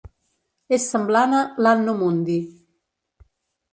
És semblant a l'"Anno Mundi".